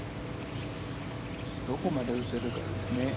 どこまで打てるかですね。